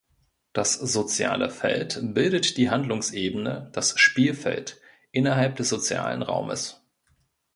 Das soziale Feld bildet die Handlungsebene, das „Spielfeld“, innerhalb des sozialen Raumes.